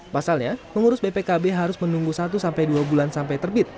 pasalnya pengurus bpkb harus menunggu satu sampai dua bulan sampai terbit